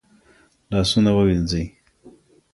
لاسونه ووينځئ.